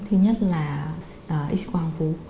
thứ nhất là x quang vú